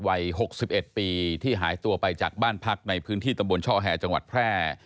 วัย๖๑ปีที่หายตัวไปจากบ้านพักในพื้นที่ตำบลช่อแห่จังหวัดแพร่